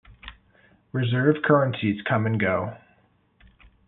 Reserve currencies come and go.